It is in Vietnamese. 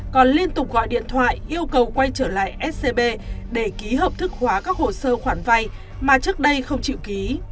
còn liên tục gọi điện thoại yêu cầu quay trở lại scb để ký hợp thức hóa các hồ sơ khoản vay mà trước đây không chịu ký